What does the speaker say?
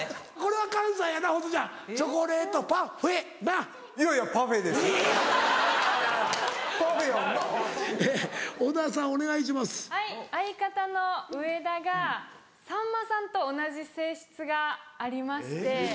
はい相方の植田がさんまさんと同じ性質がありまして。